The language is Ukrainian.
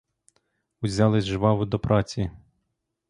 Узялись жваво до праці.